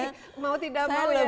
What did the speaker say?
tapi mau tidak mau ya harus ya kan